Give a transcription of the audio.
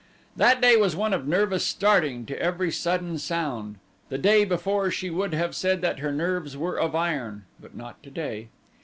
That day was one of nervous starting to every sudden sound. The day before she would have said that her nerves were of iron; but not today.